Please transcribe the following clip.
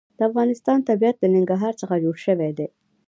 د افغانستان طبیعت له ننګرهار څخه جوړ شوی دی.